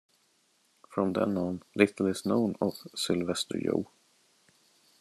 From then on little is known of Sylvester Joe.